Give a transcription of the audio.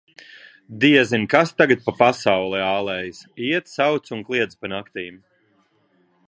Diezin, kas tagad pa pasauli ālējas: iet, sauc un kliedz pa naktīm.